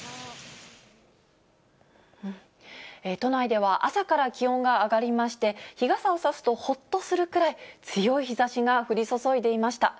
都内では朝から気温が上がりまして、日傘を差すとほっとするくらい、強い日ざしが降り注いでいました。